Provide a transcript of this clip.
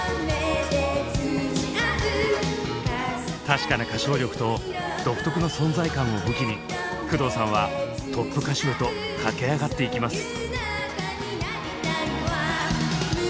確かな歌唱力と独特の存在感を武器に工藤さんはトップ歌手へと駆け上がっていきます。